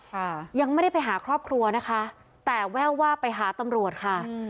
ค่ะยังไม่ได้ไปหาครอบครัวนะคะแต่แววว่าไปหาตำรวจค่ะอืม